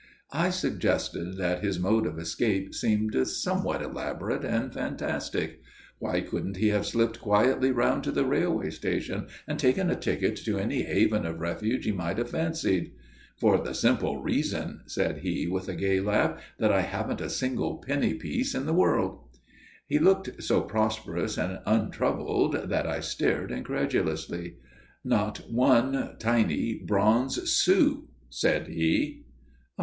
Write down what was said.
I suggested that his mode of escape seemed somewhat elaborate and fantastic. Why couldn't he have slipped quietly round to the railway station and taken a ticket to any haven of refuge he might have fancied? "For the simple reason," said he, with a gay laugh, "that I haven't a single penny piece in the world." He looked so prosperous and untroubled that I stared incredulously. "Not one tiny bronze sou," said he.